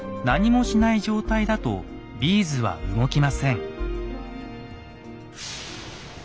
何もしない状態だとビーズは動きません。